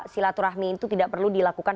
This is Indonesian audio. silaturahmi itu tidak perlu dilakukan